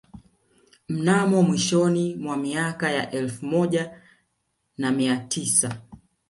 Mnamo mwishoni mwa miaka ya elfu moja na mia tisa